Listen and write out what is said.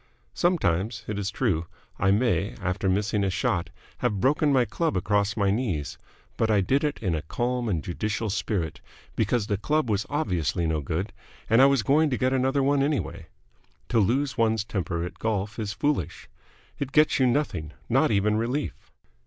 Sometimes, it is true, I may, after missing a shot, have broken my club across my knees; but I did it in a calm and judicial spirit, because the club was obviously no good and I was going to get another one anyway. To lose one's temper at golf is foolish. It gets you nothing, not even relief.